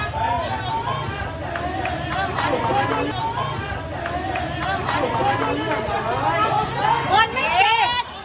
เปิดเท่าไหร่